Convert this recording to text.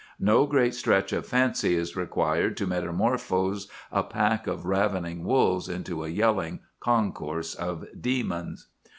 No great stretch of fancy is required to metamorphose a pack of ravening wolves into a yelling concourse of demons.